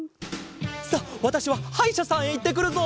さあわたしははいしゃさんへいってくるぞ！